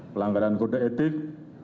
pelanggaran kode etik